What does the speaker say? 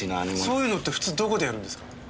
そういうのって普通どこでやるんですか？